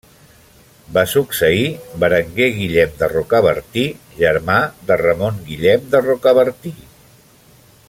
Va succeir Berenguer Guillem de Rocabertí, germà de Ramon Guillem de Rocabertí.